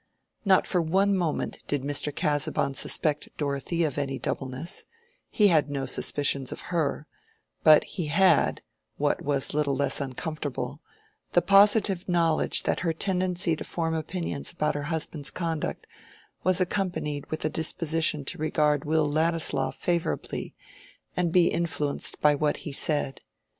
Not for one moment did Mr. Casaubon suspect Dorothea of any doubleness: he had no suspicions of her, but he had (what was little less uncomfortable) the positive knowledge that her tendency to form opinions about her husband's conduct was accompanied with a disposition to regard Will Ladislaw favorably and be influenced by what he said.